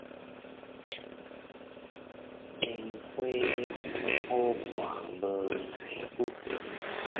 煙花好看無耐久